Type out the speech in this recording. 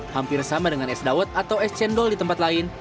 hampir sama dengan es dawet atau es cendol di tempat lain